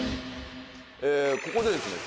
ここでですね